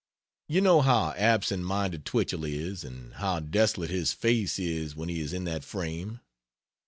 You know how absent minded Twichell is, and how desolate his face is when he is in that frame.